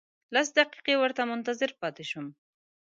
لس دقیقې ورته منتظر پاتې شوم.